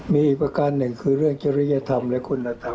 มีอีกประการหนึ่งคือเรื่องจริยธรรมและคุณธรรม